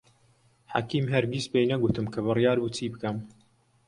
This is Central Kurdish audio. حەکیم هەرگیز پێی نەگوتم کە بڕیار بوو چی بکەم.